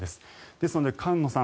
ですので菅野さん